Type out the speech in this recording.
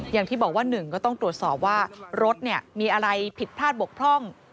อย่างที่บอกว่า๑ก็ต้องตรวจสอบว่ารถมีอะไรผิดพลาดบกพร่อง